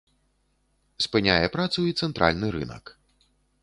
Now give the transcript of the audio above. Спыняе працу і цэнтральны рынак.